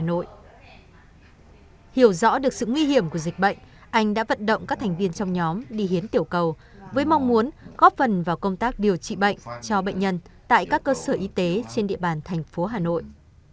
hiểu rõ được sự nguy hiểm của dịch bệnh anh đã vận động các thành viên trong nhóm đi hiến tiểu cầu với mong muốn góp phần vào công tác điều trị bệnh cho bệnh nhân tại các cơ sở y tế trên địa bàn thành phố hà nội